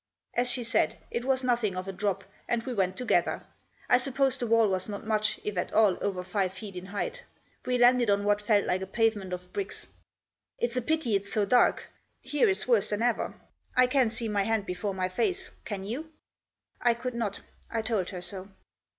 As she said, it was nothing of a drop, and we went together. I suppose the wall was not much, if at all, over five feet in height. We landed on what felt like a pavement of bricks. Digitized by BETWEEN 13 & 14, BOSEMARY STREET. 91 " It's a pity it's so dark. Here it's worse than ever. I can't see my hand before my face, can you ?" I could not. I told her so.